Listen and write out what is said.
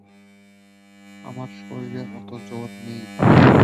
আমার শরীরে অত জোর নেই।